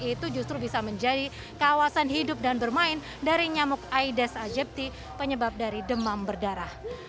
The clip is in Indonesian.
itu justru bisa menjadi kawasan hidup dan bermain dari nyamuk aedes aegypti penyebab dari demam berdarah